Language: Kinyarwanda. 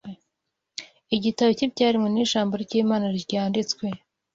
Igitabo cy’ibyaremwe n’ijambo ry’Imana ryanditswe